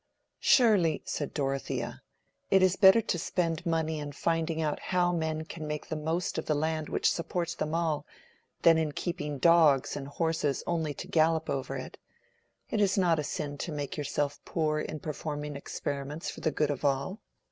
"Surely," said Dorothea, "it is better to spend money in finding out how men can make the most of the land which supports them all, than in keeping dogs and horses only to gallop over it. It is not a sin to make yourself poor in performing experiments for the good of all."